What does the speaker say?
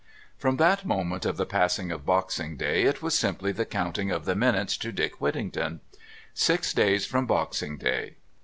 From that moment of the passing of Boxing Day it was simply the counting of the minutes to "Dick Whittington." Six days from Boxing Day.